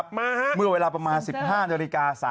ผมป่วยอยู่ใช่มั้ยคะ